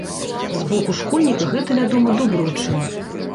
З боку школьніка, гэта, вядома, добры ўчынак.